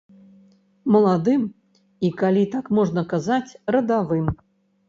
Маладым і, калі так можна казаць, радавым.